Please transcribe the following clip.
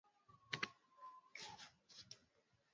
Unaweza kupeleka mayai